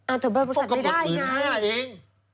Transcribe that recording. อ้าวแต่บ้านบริษัทไม่ได้ไงต้องกระปุ่น๑๕๐๐๐บาทเอง